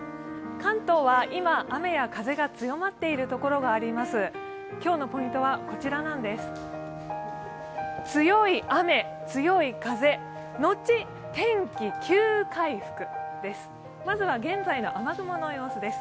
関東は今、雨や風が強まっているところがあります。